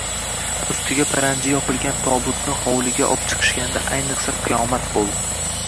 Ustiga paranji yopilgan tobutni hovliga opchiqishganida ayniqsa qiyomat bo‘ldi.